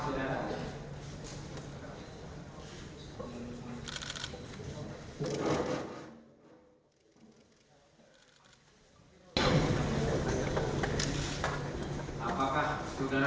ditampingi oleh penasihat hukum